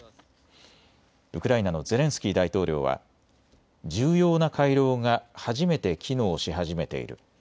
ウクライナのゼレンスキー大統領は重要な回廊が初めて機能し始めている。